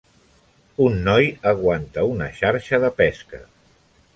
Un noi aguanta una xarxa de pesca.